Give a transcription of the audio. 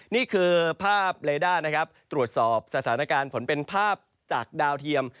นี่คือภาพเลด้านะครับตรวจสอบสถานการณ์ฝนเป็นภาพจากดาวเทียม